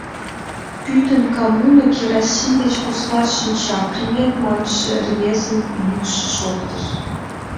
Пӱтынь коммуна керосин деч посна шинча, — «привет» манше рвезын йӱкшӧ шоктыш.